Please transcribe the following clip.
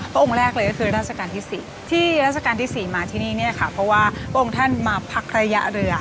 องค์แรกเลยก็คือราชการที่๔ที่ราชการที่๔มาที่นี่เนี่ยค่ะเพราะว่าพระองค์ท่านมาพักระยะเรือ